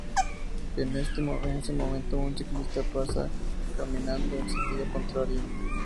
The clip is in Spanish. En ese momento un ciclista pasa caminando en sentido contrario.